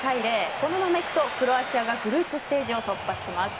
このままいくとクロアチアがグループステージを突破します。